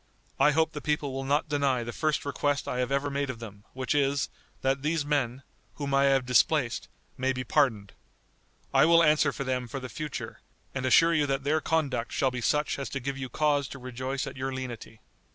I hope the people will not deny the first request I have ever made to them, which is, that these men, whom I have displaced, may be pardoned. I will answer for them for the future, and assure you that their conduct shall be such as to give you cause to rejoice at your lenity."